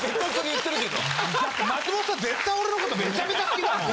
だって松本さん絶対俺のことめちゃめちゃ好きだもん。